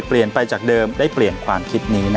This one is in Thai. เปลี่ยนไปจากเดิมได้เปลี่ยนความคิดนี้